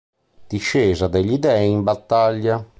Discesa degli dei in battaglia.